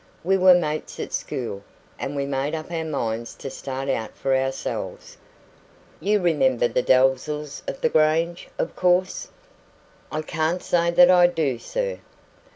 We were mates at school, and we made up our minds to start out for ourselves. You remember the Dalzells of the Grange, of course?" "I can't say that I do, sir."